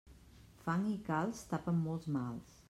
Fang i calç tapen molts mals.